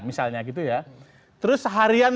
misalnya gitu ya terus seharian